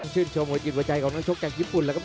ชื่นชมหวัดหยุดหวัดใจของนักชกแก่งญี่ปุ่นครับ